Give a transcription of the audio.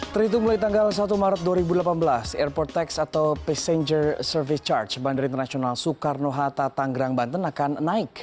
terhitung mulai tanggal satu maret dua ribu delapan belas airport tax atau passenger service charge bandara internasional soekarno hatta tanggerang banten akan naik